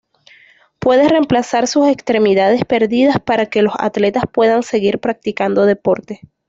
Puede remplazar sus extremidades perdidas, para que los atletas puedan seguir practicando deporte.